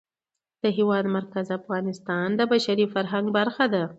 د هېواد مرکز د افغانستان د بشري فرهنګ برخه ده.